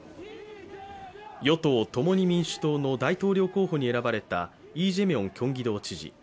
与党・共に民主党の大統領候補に選ばれたイ・ジェミョンキョンギド知事。